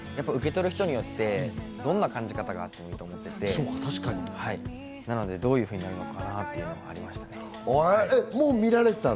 いや、自分の曲も受け取る人によってどんな感じ方があるのかなと思って、どういうふうになるのかなっていうのがありましたね。